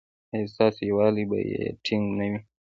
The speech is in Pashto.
ایا ستاسو یووالي به ټینګ نه وي؟